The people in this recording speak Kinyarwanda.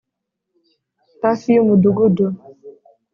hafi y'umudugudu.